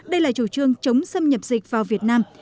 đây là chủ trương chống xâm nhập dịch vào việt nam